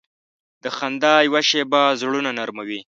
د خندا یوه شیبه زړونه نرمه وي.